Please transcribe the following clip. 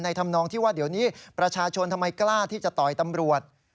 ทำนองที่ว่าเดี๋ยวนี้ประชาชนทำไมกล้าที่จะต่อยตำรวจ